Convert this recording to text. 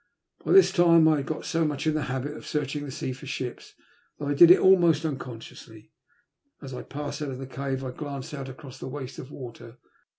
By this time I had got so much into the habit of searching the sea for ships that I did it almost tux* consciously. As I passed the cave I glanced out across the waste of water.